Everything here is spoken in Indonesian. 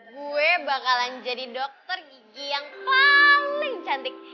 gue bakalan jadi dokter gigi yang paling cantik